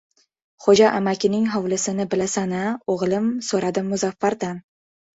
— Xo‘ja amakining hovlisini bilasan-a, o‘g‘lim! — so‘radi Muzaffardan.